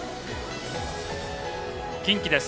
近畿です。